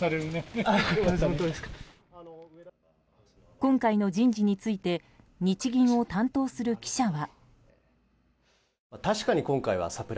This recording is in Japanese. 今回の人事について日銀を担当する記者は。